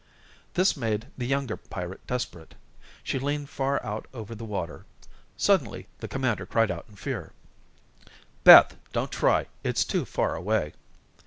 This made the younger pirate desperate. She leaned far out over the water. Suddenly, the commander cried out in fear: "Beth, don't try. It's too far away."